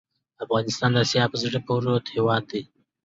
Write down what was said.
افغانستان د آسیا په زړه کې پروت هېواد دی.